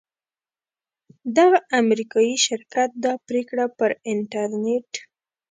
دغه امریکایي شرکت دا پریکړه پر انټرنیټ